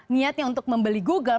niatnya untuk membeli google